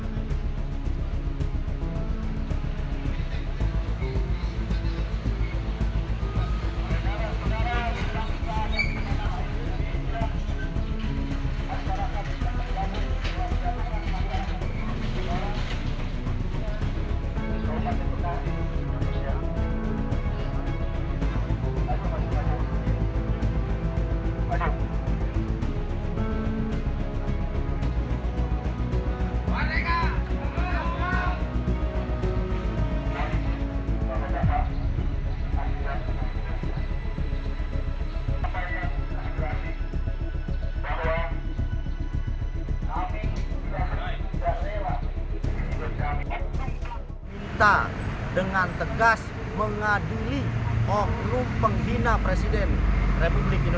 jangan lupa like share dan subscribe channel ini untuk dapat info terbaru